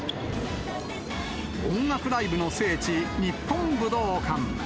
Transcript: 音楽ライブの聖地、日本武道館。